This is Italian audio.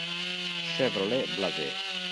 Chevrolet Blazer